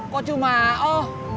kok cuma oh